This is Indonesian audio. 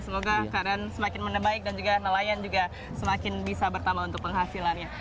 semoga keadaan semakin menebaik dan juga nelayan juga semakin bisa bertambah untuk penghasilannya